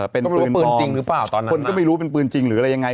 เป็นปืนปืนจริงหรือเปล่าตอนนั้นคนก็ไม่รู้เป็นปืนจริงหรืออะไรยังไง